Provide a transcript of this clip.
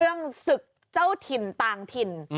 เรื่องศึกเจ้าถิ่นต่างถิ่น